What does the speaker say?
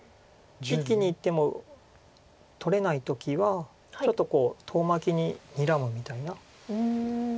一気にいっても取れない時はちょっとこう遠巻きににらむみたいな。